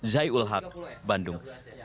zai ul haq bandung